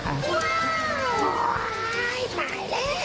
ว้าวตายแล้ว